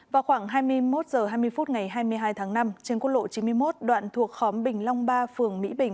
vào khoảng hai mươi một h hai mươi phút ngày hai mươi hai tháng năm trên quốc lộ chín mươi một đoạn thuộc khóm bình long ba phường mỹ bình